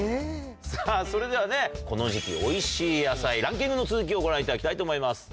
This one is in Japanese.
さぁそれではねこの時期おいしい野菜ランキングの続きをご覧いただきたいと思います。